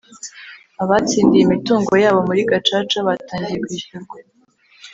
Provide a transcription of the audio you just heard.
Abatsindiye imitungo yabo muri gacaca batangiye kwishyurwa